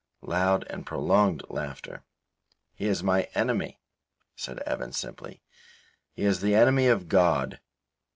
(Loud and prolonged laughter.) "He is my enemy," said Evan, simply; "he is the enemy of God."